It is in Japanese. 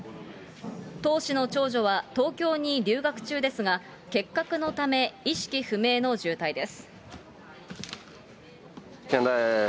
唐氏の長女は東京に留学中ですが、結核のため、意識不明の重体です。